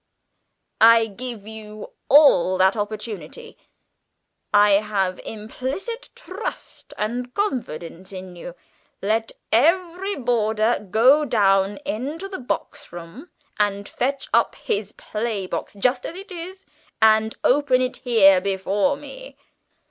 "I give you all that opportunity. I have implicit trust and confidence in you let every boarder go down into the box room and fetch up his playbox, just as it is, and open it here before me."